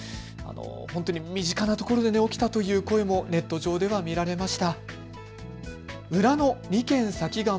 本当に身近な所で起きたという声もネット上では見られました。